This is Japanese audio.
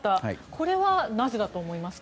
これはなぜだと思いますか？